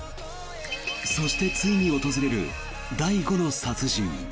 そしてついに訪れる第５の殺人。